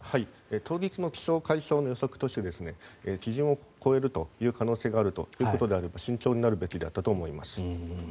当日の気象・海象の予測として基準を超える可能性があるということであれば慎重になるべきであったと思います。